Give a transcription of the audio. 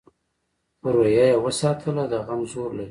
خو روحیه یې وساتله؛ د غم زور لري.